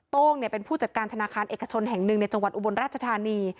โต้งเป็นผู้จัดการธนาคารเอกชนแห่งหนึ่งในจังหวัดอุบลราชธานี